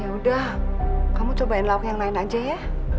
yaudah kamu cobain lakuen lain aja ya